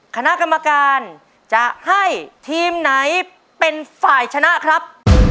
คณะกรรมการจะให้ทีมไหนเป็นฝ่ายชนะครับ